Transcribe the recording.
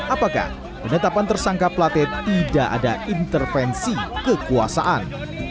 apakah penetapan tersangka plate tidak ada intervensi kekuasaan